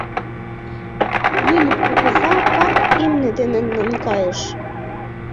Выльып кугыза пар имне дене наҥгайыш...